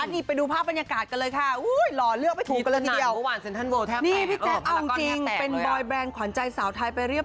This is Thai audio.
ดีไปดูภาพบรรยากาศกันเลยค่ะอู้ยหล่อเลือกไม่ถูกกันเลยทีเดียว